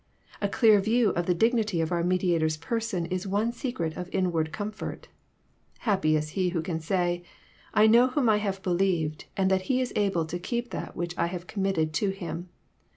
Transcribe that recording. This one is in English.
A clear view of the dignity of our Mediator's Person is one secret of inward comfort. Happy is he who can say, *^ I know whom I have believed, and that He is able to keep that which I have committed to Him."